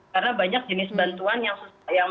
karena banyak jenis bantuan yang susah